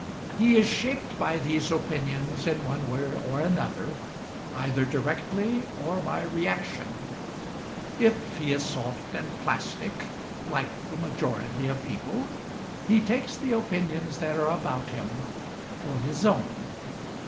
He is shaped by these opinions in one way or another, either directly or by reaction. If he is soft and plastic, like the majority of people, he takes the opinions that are about him for his own.